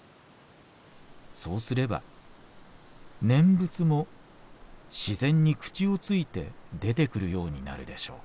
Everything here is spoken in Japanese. そうすれば念仏も自然に口をついて出てくるようになるでしょう。